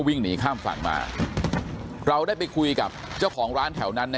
วิ่งหนีข้ามฝั่งมาเราได้ไปคุยกับเจ้าของร้านแถวนั้นนะ